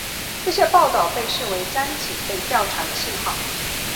这些报道被视为张已被调查的信号。